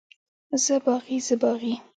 زه باغي، زه باغي.